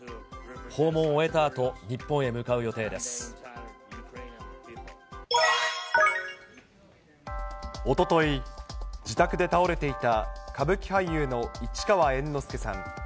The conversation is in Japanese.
訪問を終えたあと、おととい、自宅で倒れていた歌舞伎俳優の市川猿之助さん。